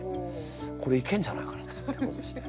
これいけんじゃないかなってことでしてね。